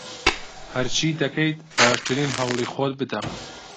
هەرچی دەکەیت، باشترین هەوڵی خۆت بدە.